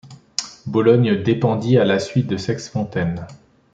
Bologne dépendit à la suite de Sexfontaines.